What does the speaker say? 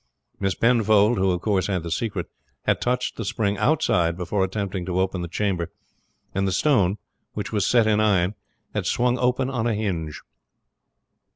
Miss Penfold who of course had the secret, had touched the spring outside before attempting to open the chamber, and the stone, which was set in iron, had swung open on a hinge.